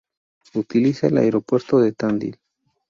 Utiliza el Aeropuerto de Tandil.